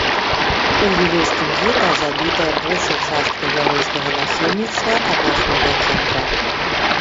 У вілейскім гета забітая большая частка яўрэйскага насельніцтва абласнога цэнтра.